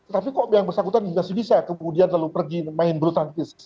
tapi kok yang bersangkutan masih bisa kemudian lalu pergi main bulu tangkis